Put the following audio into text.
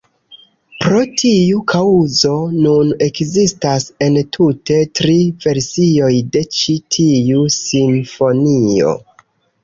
Pro tiu kaŭzo nun ekzistas entute tri versioj de ĉi tiu simfonio.